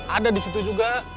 ada di situ juga